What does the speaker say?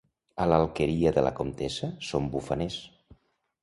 A l'Alqueria de la Comtessa són bufaners.